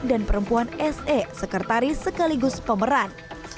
dan perempuan se sekretaris sekaligus pemeran